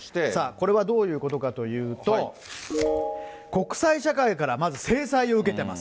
これはどういうことかというと、国際社会からまず制裁を受けてます。